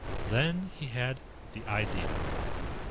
Then he had the Idea.